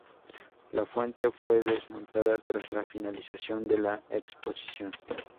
La fuente fue desmontada tras la finalización de la Exposición.